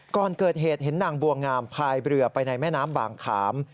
ก่อนเกิดเหตุเห็นนางบัวงามพายเรือไปในแม่น้ำบางขาม